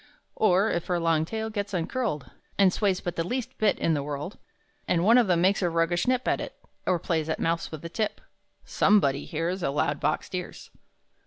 Or, if her long tail gets uncurled And sways but the least bit in the world, And one of them makes a roguish nip At it, or plays at mouse with the tip, Somebody hears, A loud boxed ears!